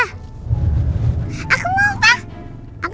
aku mau pak